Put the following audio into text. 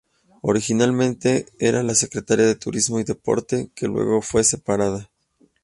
Originalmente era la Secretaría de Turismo y Deportes, que luego fue separada.